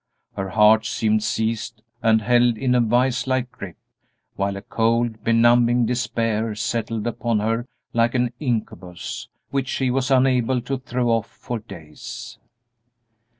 Her heart seemed seized and held in a vise like grip, while a cold, benumbing despair settled upon her like an incubus, which she was unable to throw off for days.